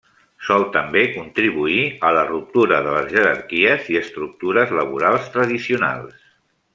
Sol també contribuir a la ruptura de les jerarquies i estructures laborals tradicionals.